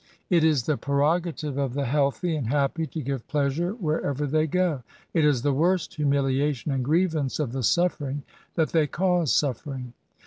It is the prerogative of the healthy and happy to give pleasure wherever they go ; it is the worst humili * ation and grievance of the suffering, that they cause suffering.